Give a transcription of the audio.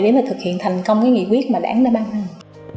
để mà thực hiện thành công cái nghị quyết mà đáng đáng bán hàng